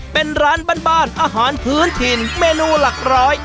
เป็นร้านบ้านอาหารพื้นถิ่นเมนูหลักร้อย